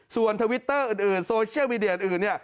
ส่วนทวิตเตอร์อื่นโซเชียลมีเดียอื่นเนี่ย